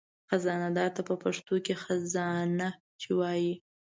خزانهدار ته په پښتو کې خزانهچي وایي.